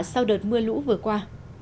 sau đợt mưa lũ vừa qua